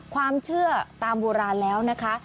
ความเชื่อตามโบราณแล้วนะคะ